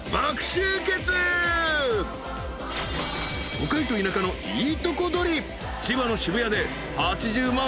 ［都会と田舎のいいとこ取り］